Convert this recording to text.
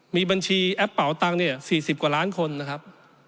มีบัญชีแอปเป่าตังค์เนี่ย๔๐กว่าล้านคนนะครับ